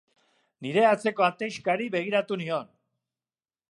Nire atzeko atexkari begiratu nion.